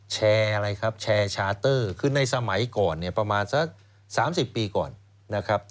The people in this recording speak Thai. แชร์อะไรครับแชร์ชาร์เตอร์คือในสมัยก่อนประมาณสัก๓๐ปีก่อน